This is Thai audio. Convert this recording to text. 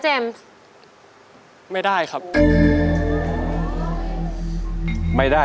โชคชะตาโชคชะตา